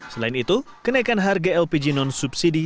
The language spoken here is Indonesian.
selain itu kenaikan harga lpg non subsidi